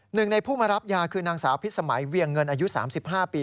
หนึ่งในผู้มารับยาคือนางสาวพิษสมัยเวียงเงินอายุ๓๕ปี